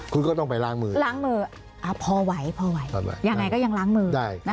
คุณก็ต้องไปล้างมือพอไหวอย่างไรก็ยังล้างมือ